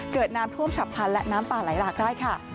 เกิดน้ำท่วมฉับพันธ์และน้ำป่าไหลหลากได้ค่ะ